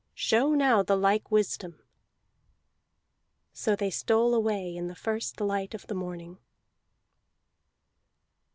Show now the like wisdom." So they stole away in the first light of the morning.